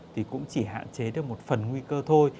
thì cũng chỉ hạn chế được một phần nguy cơ thôi